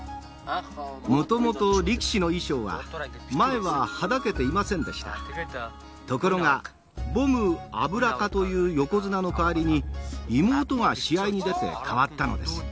もともと力士の衣装は前ははだけていませんでしたところがボム・アブラカという横綱の代わりに妹が試合に出て変わったのです